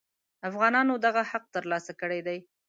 افغانانو دغه حق تر لاسه کړی دی.